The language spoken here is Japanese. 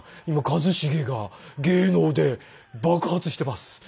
今一茂が芸能で爆発してます。